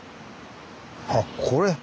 あっこれ。